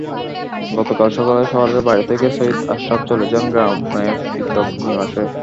গতকাল সকালে শহরের বাড়ি থেকে সৈয়দ আশরাফ চলে যান গ্রামে পৈতৃক নিবাসে।